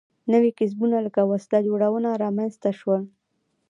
نوي کسبونه لکه وسله جوړونه رامنځته شول.